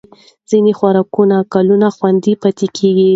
ځینې خوراکونه کلونه خوندي پاتې کېږي.